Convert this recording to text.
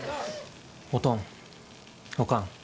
おとんおかん。